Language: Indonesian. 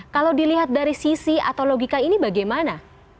kalau dilihat dari sisi atau logika ini bagaimana